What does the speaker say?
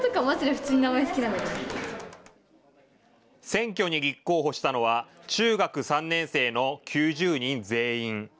選挙に立候補したのは中学３年生の９０人全員。